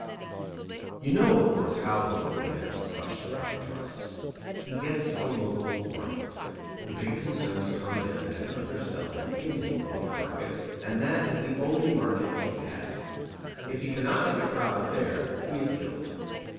You know, of course, how the little man is crushed by the trusts. He gets a local market. The big concerns come in and undersell him in his local market, and that is the only market he has; if he cannot make a profit there, he is killed.